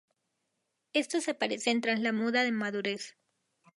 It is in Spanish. Estos aparecen tras la muda de madurez.